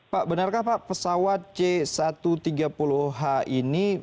pak benarkah pak pesawat c satu ratus tiga puluh h ini